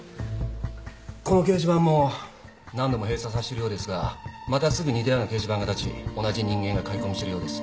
この掲示板も何度も閉鎖させてるようですがまたすぐ似たような掲示板が立ち同じ人間が書き込みしてるようです。